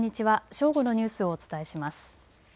正午のニュースをお伝えします。